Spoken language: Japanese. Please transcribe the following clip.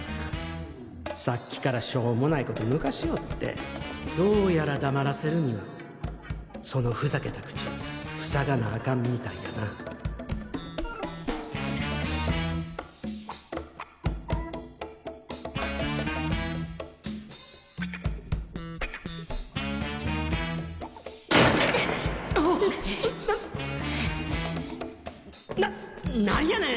さっきからしょもないことぬかしよってどうやら黙らせるにはそのふざけたくちふさがなアカンみたいやななっ何やねん！